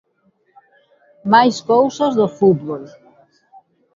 Máis cousas do fútbol.